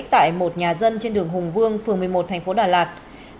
tại một nhà dân trên đường hùng vương phường một mươi một thành phố đà lạt